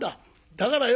だからよ